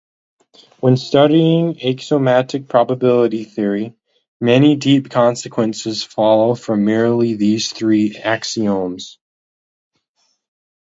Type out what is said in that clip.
When studying axiomatic probability theory, many deep consequences follow from merely these three axioms.